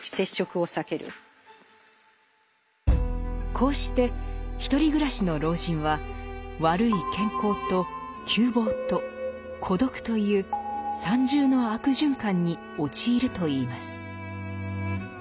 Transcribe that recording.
こうして独り暮らしの老人は「悪い健康と窮乏と孤独という三重の悪循環」に陥るといいます。